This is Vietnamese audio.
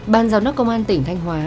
ban giám đốc công an tỉnh thanh hóa